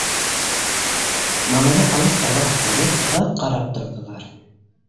Малайҙар, алыҫ тауға һоҡланып, оҙаҡ ҡарап торҙолар.